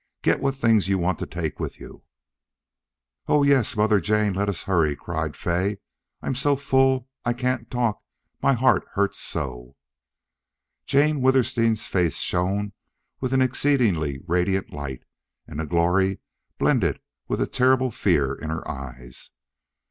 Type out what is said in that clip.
Get what things you want to take with you." "Oh yes Mother Jane, let us hurry!" cried Fay. "I'm so full I can't talk my heart hurts so!" Jane Withersteen's face shone with an exceedingly radiant light, and a glory blended with a terrible fear in her eyes.